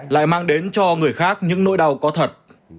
lại mang đến cho người khác những nỗi đau có thật